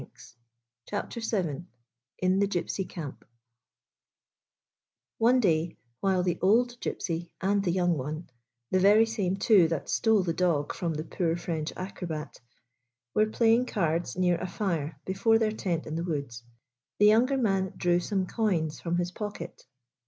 85 CHAPTER VII IN THE GYPSY CAMP O NE day while the old Gypsy and the young one — the very same two that stole the dog from the poor French ac robat — were playing cards near a fire before their tent in the woods, the younger man drew some coins from his pocket.